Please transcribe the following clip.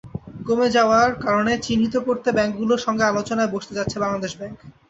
কমে যাওয়ার কারণ চিহ্নিত করতে ব্যাংকগুলোর সঙ্গে আলোচনায় বসতে যাচ্ছে বাংলাদেশ ব্যাংক।